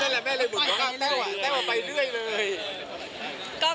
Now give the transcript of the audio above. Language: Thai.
เลี่ยนแท่งแม่เลยแต้วเกาไปด้วยเลย